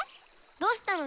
どうしたの？